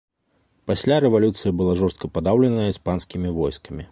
Пасля рэвалюцыя была жорстка падаўленая іспанскімі войскамі.